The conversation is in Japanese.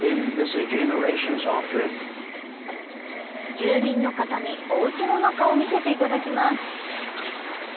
住民の方におうちの中を見せていただきます。